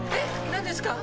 何ですか？